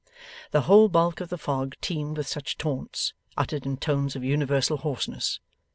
The whole bulk of the fog teemed with such taunts, uttered in tones of universal hoarseness.